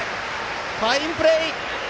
ファインプレー！